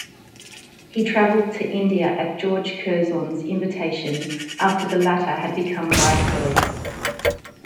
He travelled to India at George Curzon's invitation after the latter had become Viceroy.